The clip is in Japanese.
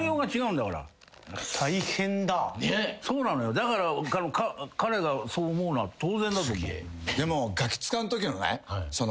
だから彼がそう思うのは当然だと思う。